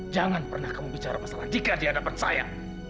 jangan pernah kamu bicara masalah jika di hadapan saya